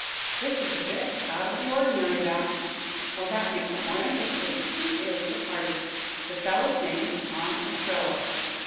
"This is a bit out of the ordinary, Vapp." "Well, that makes it more interesting. Who is the party?" "The fellow's name is Tom Ostrello."